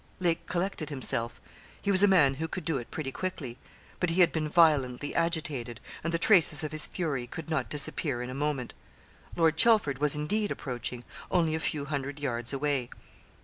Lake collected himself. He was a man who could do it pretty quickly; but he had been violently agitated, and the traces of his fury could not disappear in a moment. Lord Chelford was, indeed, approaching, only a few hundred yards away.